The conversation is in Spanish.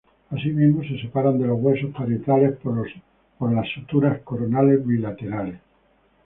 Asimismo, se separan de los huesos parietales por las suturas coronales bilaterales.